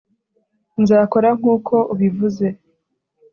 nzakora nkuko ubivuze